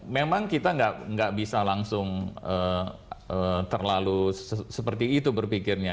memang kita nggak bisa langsung terlalu seperti itu berpikirnya